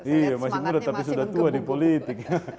iya masih muda tapi sudah tua di politik